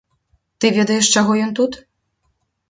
Ты ведаеш, чаго ён тут?